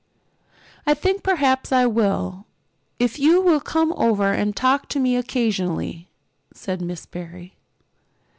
"I think perhaps I will if you will come over and talk to me occasionally," said Miss Barry.